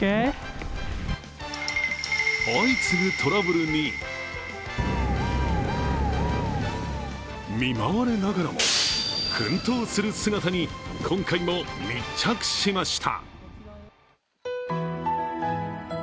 相次ぐトラブルに見舞われながらも、奮闘する姿に今回も密着しました。